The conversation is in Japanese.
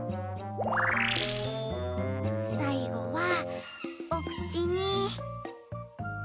さいごはおくちに。